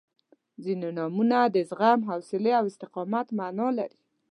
• ځینې نومونه د زغم، حوصلې او استقامت معنا لري.